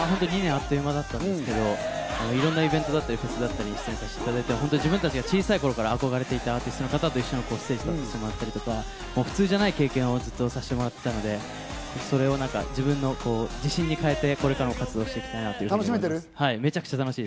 ２年あっという間だったんですけれど、いろんなイベントだったり、フェスに出演させていただいて、小さい頃から憧れていたアーティストの方とステージに立たせてもらったり、普通じゃない経験をさせてもらったので、自分の自信に変えて、これからも活動していきたいと思っています。